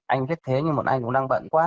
anh biết thế nhưng mà một anh cũng đang bận quá